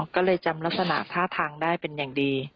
ก็เลยจำลักษณะท่าทางได้เป็นอย่างดี